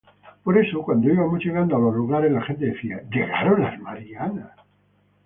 Por eso, cuando íbamos llegando a los lugares, la gente decía: ¿Llegaron las Marianas?